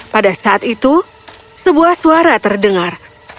pada saat itu sebuah suara terdengar